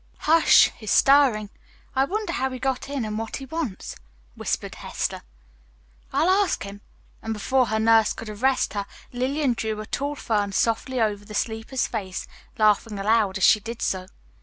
"Hush, he's stirring. I wonder how he got in, and what he wants," whispered Hester. "I'll ask him," and before her nurse could arrest her, Lillian drew a tall fern softly over the sleeper's face, laughing aloud as she did so.